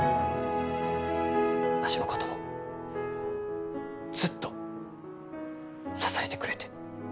わしのこともずっと支えてくれて。